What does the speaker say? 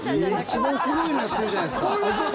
一番すごいのやってるじゃないですか。